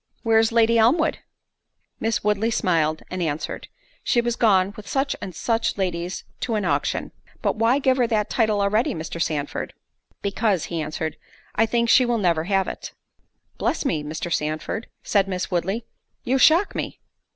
where's Lady Elmwood?" Miss Woodley smiled, and answered—She was gone with such and such ladies to an auction. "But why give her that title already, Mr. Sandford?" "Because," answered he, "I think she will never have it." "Bless me, Mr. Sandford," said Miss Woodley, "you shock me!"